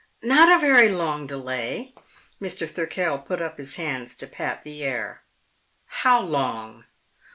"Not a very long delay." Mr. Thirkell put up his hands to pat the air. "How long?"